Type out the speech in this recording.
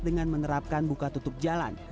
dengan menerapkan buka tutup jalan